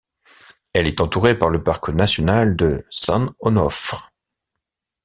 Elle est entourée par le parc national de San Onofre.